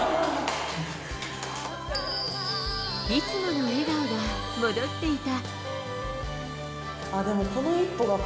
いつもの笑顔が戻っていた。